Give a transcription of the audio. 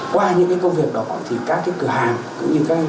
qua những công việc đó thì các cửa hàng cũng như các ngân hàng